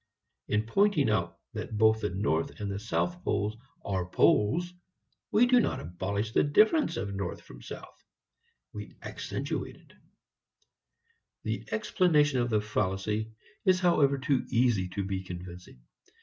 In pointing out that both the north and the south poles are poles we do not abolish the difference of north from south; we accentuate it. The explanation of the fallacy is however too easy to be convincing.